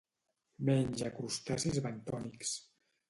Menja crustacis bentònics.